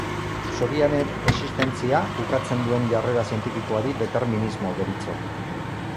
Zoriaren existentzia ukatzen duen jarrera zientifikoari determinismo deritzo.